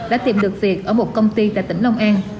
đã tìm được việc ở một công ty tại tỉnh long an